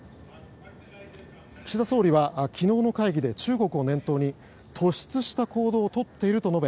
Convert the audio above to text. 岸田総理は昨日の会議で中国を念頭に突出した行動をとっていると述べ